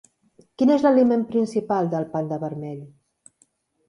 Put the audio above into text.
Quin és l'aliment principal del panda vermell?